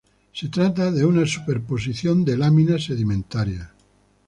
Se trata de una superposición de láminas sedimentarias.